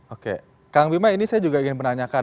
oke kang bima ini saya juga ingin menanyakan